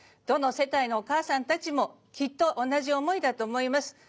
どの世帯のお母さんたちもきっと同じ思いだと思います。